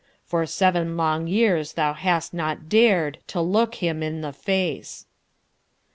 For seven long years thou hast not dar'dTo look him in the face."